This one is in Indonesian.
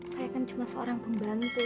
saya kan cuma seorang pembantu